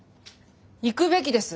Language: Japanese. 行くべきです。